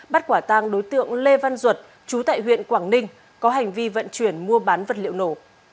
bắt quả tang đối tượng lê văn duật trú tại huyện quảng ninh có hành vi vận chuyển mua bán vật liệu nổ